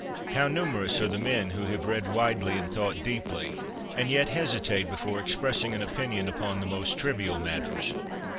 How numerous are the men who have read widely and thought deeply, and yet hesitate before ex pressing an opinion upon the most trivial matters